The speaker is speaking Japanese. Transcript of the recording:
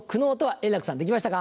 円楽さんできましたか？